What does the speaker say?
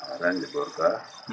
aran di burka